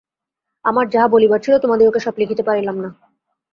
আমার যাহা বলিবার ছিল, তোমাদিগকে সব লিখিতে পারিলাম না।